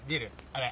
あれ。